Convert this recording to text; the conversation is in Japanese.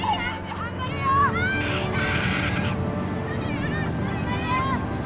頑張れよー！